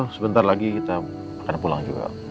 sebentar lagi kita akan pulang juga